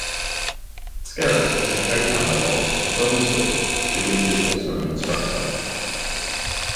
Skerritt is a co-founder of TheFilmSchool, in which he is also an instructor.